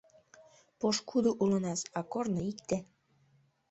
Пошкудо улынас, а корно — икте.